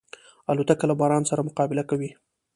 الوتکه له باران سره مقابله کوي.